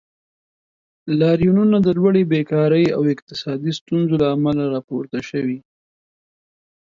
لاریونونه د لوړې بیکارۍ او اقتصادي ستونزو له امله راپورته شوي.